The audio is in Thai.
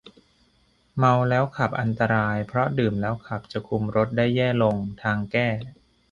เมาแล้วขับอันตรายเพราะดื่มแล้วขับจะคุมรถได้แย่ลง ทางแก้